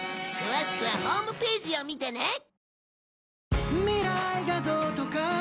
詳しくはホームページを見てね